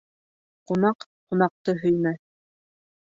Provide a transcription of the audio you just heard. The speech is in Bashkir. Ҡунак ҡунаҡты һөймәҫ